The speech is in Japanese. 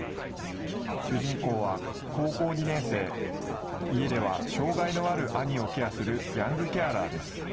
主人公は、高校２年生、家では障害のある兄をケアするヤングケアラーです。